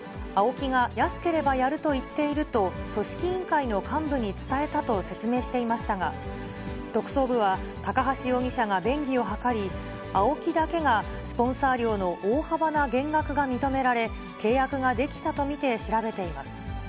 ＡＯＫＩが安ければやると言っていると、組織委員会の幹部に伝えたと説明していましたが、特捜部は、高橋容疑者が便宜を図り、ＡＯＫＩだけが、スポンサー料の大幅な減額が認められ、契約ができたと見て調べています。